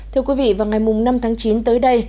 thưa quý vị vào ngày năm tháng chín tới đây